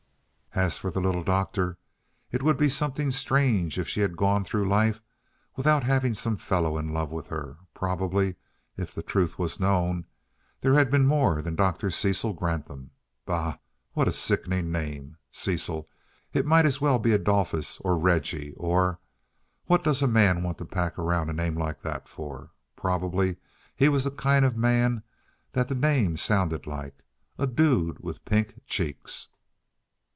As for the Little Doctor, it would be something strange if she had gone through life without having some fellow in love with her. Probably, if the truth was known, there had been more than Dr. Cecil Granthum bah, what a sickening name! Cecil! It might as well be Adolphus or Regie or what does a man want to pack around a name like that for? Probably he was the kind of man that the name sounded like; a dude with pink cheeks.